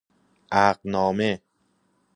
عقد نامه